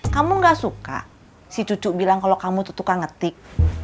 kamu gak suka si cucu bilang kalau kamu tuh suka ngetik